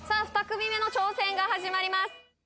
２組目の挑戦が始まります